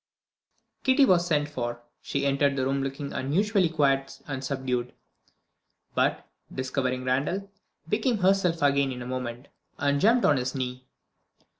Kitty was sent for. She entered the room looking unusually quiet and subdued but, discovering Randal, became herself again in a moment, and jumped on his knee.